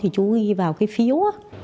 chú ghi vào cái phiếu